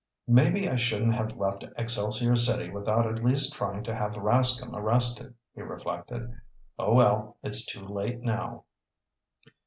"Maybe I shouldn't have left Excelsior City without at least trying to have Rascomb arrested," he reflected. "Oh, well, it's too late now."